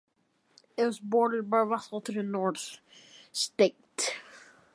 It was bordered by Russell to the north, Ste.